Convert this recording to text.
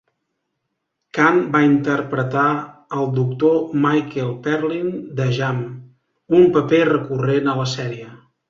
Cann va interpretar el doctor Michael Perlin de "Jam", un paper recurrent a la sèrie.